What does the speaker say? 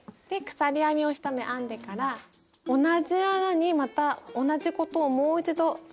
鎖編みを１目編んでから同じ穴にまた同じことをもう一度するんですが。